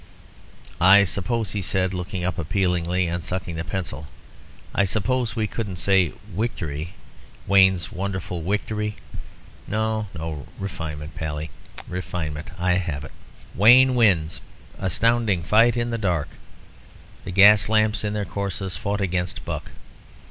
"I suppose," he said, looking up appealingly, and sucking the pencil "I suppose we couldn't say 'wictory' 'Wayne's wonderful wictory'? No, no. Refinement, Pally, refinement. I have it." "WAYNE WINS. ASTOUNDING FIGHT IN THE DARK. _The gas lamps in their courses fought against Buck.